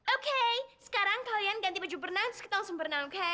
oke sekarang kalian ganti baju berenang terus kita langsung berenang oke